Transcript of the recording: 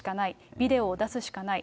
ビデオを出すしかない。